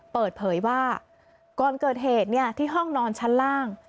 เปิดเผยว่าก่อนเกิดเหตุที่ห้องนอนชั้นล่าง